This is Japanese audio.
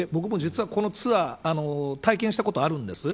僕も実は、このツアー体験したこと、あるんです。